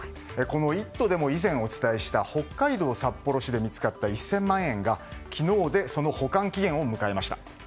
「イット！」でも以前お伝えした北海道札幌市で見つかった１０００万円が昨日でその保管期限を迎えました。